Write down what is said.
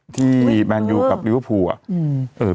ที่แมนยูกับริวภูอ่ะ